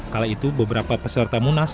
kala itu beberapa peserta munas